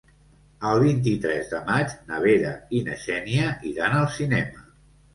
El vint-i-tres de maig na Vera i na Xènia iran al cinema.